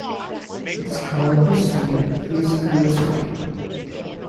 Its county seat is Kirksville.